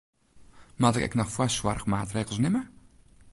Moat ik ek noch foarsoarchmaatregels nimme?